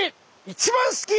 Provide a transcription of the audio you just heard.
一番好き！